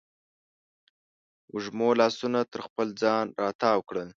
وږمو لاسونه تر خپل ځان راتاو کړل